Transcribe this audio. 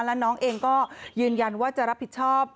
แล้วน้องเองก็ยืนยันว่าจะรับผิดชอบ